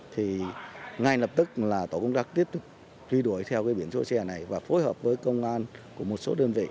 thì ngay lập tức là tổ công tác tiếp truy đuổi theo cái biển số xe này và phối hợp với công an của một số đơn vị